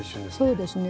そうですね。